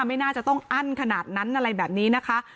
ไม่น่าจะต้องอั้นขนาดนั้นอะไรแบบนี้นะคะ